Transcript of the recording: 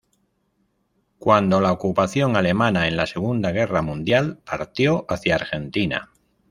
Cuando la ocupación alemana en la Segunda Guerra Mundial partió hacia Argentina.